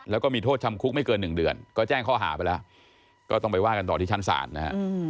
แล้วก็มีโทษจำคุกไม่เกิน๑เดือนก็แจ้งข้อหาไปแล้วก็ต้องไปว่ากันต่อที่ชั้นศาลนะฮะ